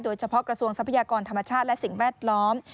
กระทรวงทรัพยากรธรรมชาติและสิ่งแวดล้อม